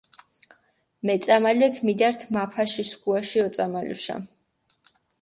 მეწამალექ მიდართ მაფაში სქუაში ოწამალუშა.